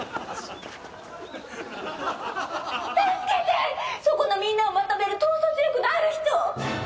そこのみんなをまとめる統率力のある人！